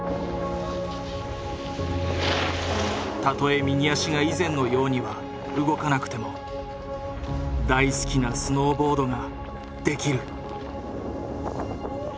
たとえ右足が以前のようには動かなくても大好きなスノーボードができる。